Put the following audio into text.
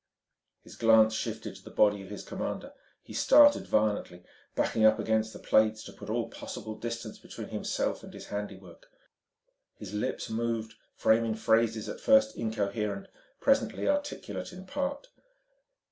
His glance shifting to the body of his commander, he started violently, backing up against the plates to put all possible distance between himself and his handiwork. His lips moved, framing phrases at first incoherent, presently articulate in part